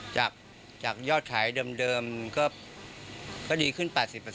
จากยอดขายเดิมก็ดีขึ้น๘๐